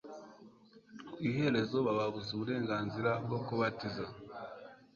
ku iherezo bababuza uburenganzira bwo kubatiza.